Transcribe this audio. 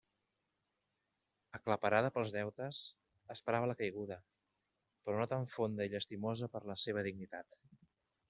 Aclaparada pels deutes, esperava la caiguda, però no tan fonda i llastimosa per a la seua dignitat.